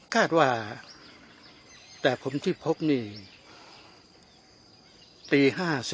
คาดว่าแต่ผมที่พกนี่ตี๕๔